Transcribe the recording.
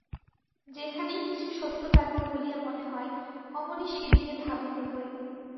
যেখানেই কিছু সত্য পাইব বলিয়া মনে হয়, অমনি সেদিকে ধাবিত হই।